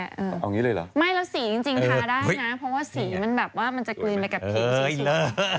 เอาแบบนี้เลยหรือไม่แล้วสีจริงถาได้นะเพราะสีมันจะกรีนไปกับพิมพ์สือ